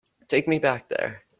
Take me back there.